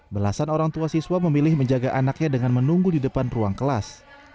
belasan orang tua siswa memilih menjaga anaknya dengan menunggu di depan ruang kelas